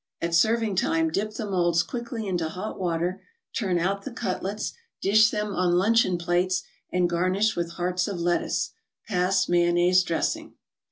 At serving time dip the molds quickly into hot water, turn out the cutlets, dish them on luncheon plates, and garnish with hearts of lettuce. Pass mayonnaise dressing.